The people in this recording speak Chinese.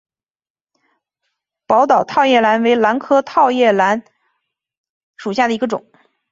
宝岛套叶兰为兰科套叶兰属下的一个种。